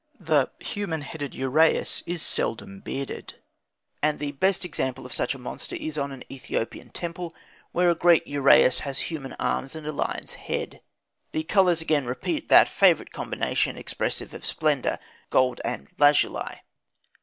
The human headed uraeus is seldom bearded; and the best example of such a monster is on an Ethiopian temple, where a great uraeus has human arms and a lion's head. The colours again repeat the favourite combination expressive of splendour gold and lazuli.